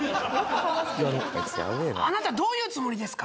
あなたどういうつもりですか？